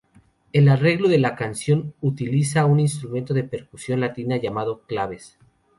El arreglo de la canción utiliza un instrumento de percusión latina llamado claves.